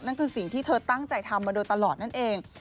นั่นคือสิ่งที่เธอตั้งใจทำมาโดยตลอดนั่นเอง